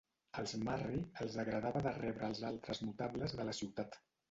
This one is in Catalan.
Als Murray els agradava de rebre els altres notables de la ciutat.